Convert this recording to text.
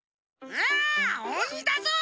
わあおにだぞ！